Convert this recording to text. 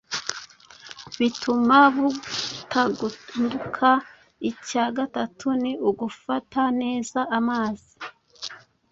bituma butagunduka. Icya gatatu ni ugufata neza amazi